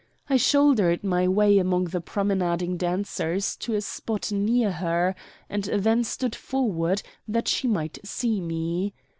I shouldered my way among the promenading dancers to a spot near her, and then stood forward that she might see me.